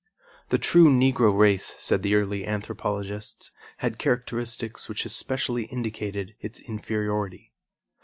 The true Negro race, said the early anthropologists, had characteristics which especially indicated its inferiority.